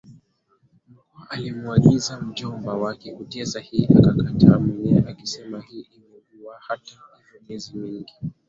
Mkwawa alimwagiza mjomba wake kutia sahihi akakataa mwenyewe akisema hii ingemwuaHata hivyo miezi